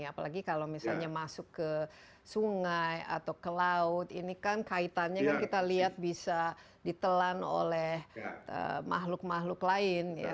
apalagi kalau misalnya masuk ke sungai atau ke laut ini kan kaitannya kan kita lihat bisa ditelan oleh makhluk makhluk lain ya